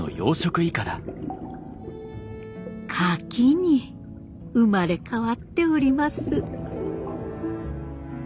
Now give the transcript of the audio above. カキに生まれ変わっております。